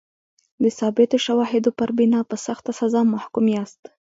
د ثابتو شواهدو پر بنا په سخته سزا محکوم یاست.